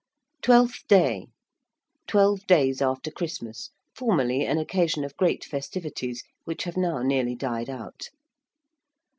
~Twelfth Day~: twelve days after Christmas, formerly an occasion of great festivities, which have now nearly died out.